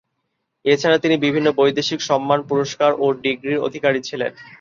এ ছাড়া তিনি বিভিন্ন বৈদেশিক সম্মান, পুরস্কার ও ডিগ্রির অধিকারী ছিলেন।